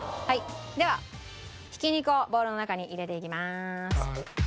ではひき肉をボウルの中に入れていきます。